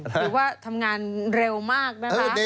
หรือว่าทำงานเร็วมากนะคะ